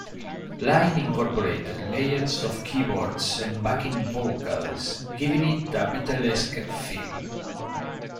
Lynne incorporated layers of keyboards and backing vocals, giving it a Beatlesque feel.